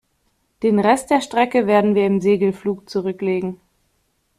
Den Rest der Strecke werden wir im Segelflug zurücklegen.